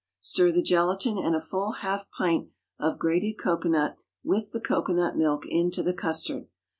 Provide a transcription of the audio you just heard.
Stir the gelatine and a full half pint of grated cocoanut with the cocoanut milk into the custard.